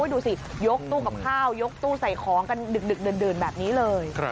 ดูสิยกตู้กับข้าวยกตู้ใส่ของกันดึกดื่นแบบนี้เลย